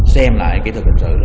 xem lại kỹ thuật hình sự